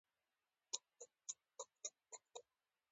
اوبزین معدنونه د افغانستان د ځمکې د جوړښت نښه ده.